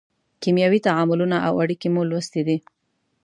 کیمیاوي تعاملونه او اړیکې مو لوستې دي.